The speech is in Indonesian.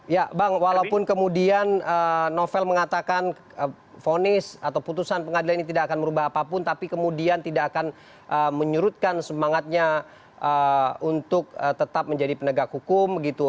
ya bang walaupun kemudian novel mengatakan vonis atau putusan pengadilan ini tidak akan merubah apapun tapi kemudian tidak akan menyurutkan semangatnya untuk tetap menjadi penegak hukum gitu